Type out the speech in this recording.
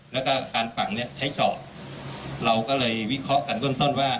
แล้วก็การฝังเนี่ยใช้เจาะเราก็เลยวิเคราะห์กันเบื้องต้นว่า